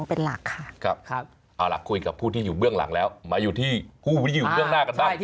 เอาล่ะคุยกับผู้ที่อยู่เบื้องหลังแล้วมาอยู่ที่ผู้ที่อยู่เบื้องหน้ากันบ้าง